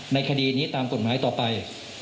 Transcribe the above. คดีนี้ตามกฎหมายต่อไป